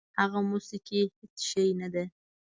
هغه موسیقي هېڅ شی نه ده.